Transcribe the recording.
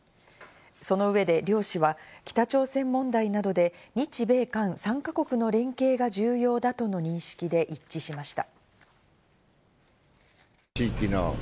その上で両氏は北朝鮮問題などで、日米韓３か国の連携が重要だとの認識で一致しました。